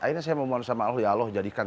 akhirnya saya memohon sama allah ya allah jadikan